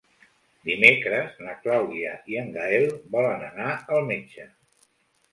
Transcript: Dimecres na Clàudia i en Gaël volen anar al metge.